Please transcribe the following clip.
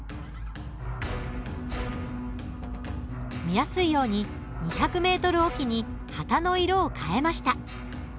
見やすいように２００ｍ置きに旗の色を変えました。